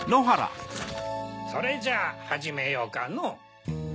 それじゃあはじめようかの。